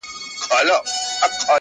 دادی حالاتو سره جنگ کوم لگيا يمه زه؛